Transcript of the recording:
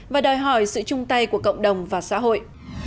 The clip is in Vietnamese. và đòi hỏi sự chung tay của cộng đồng và xã hội